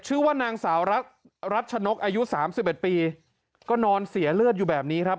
ชื่อว่านางสาวรัชนกอายุสามสิบเอ็ดปีก็นอนเสียเลือดอยู่แบบนี้ครับ